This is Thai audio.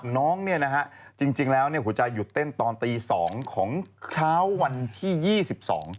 น้องจริงแล้วขอจะหยุดเต้นตอนตี๒ของเช้าวันที่๒๒